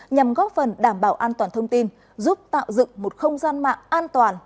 nhằm góp phần đảm bảo an toàn thông tin giúp tạo dựng một không gian mạng an toàn